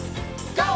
ＧＯ！